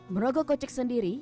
merogoh kocek sendiri